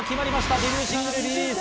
デビューシングルリリース。